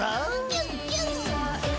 ［キュンキュン！］